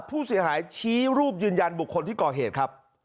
ผู้เสียหายชี้รูปยืนยันบุคคลที่ก่อเหตุครับ